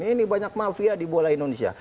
ini banyak mafia di bola indonesia